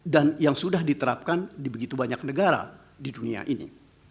dan yang sudah diterapkan di begitu banyak negara di dunia ini